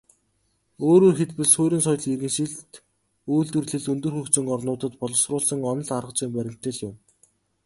Өөрөөр хэлбэл, суурин соёл иргэншилт, үйлдвэрлэл өндөр хөгжсөн орнуудад боловсруулсан онол аргазүйн баримтлал юм.